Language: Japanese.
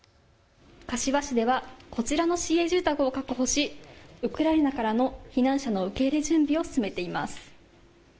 柏市ではこちらの市営住宅を確保しウクライナからの避難者の受け入れ準備を進めています。